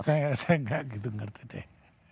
saya gak gitu ngerti deh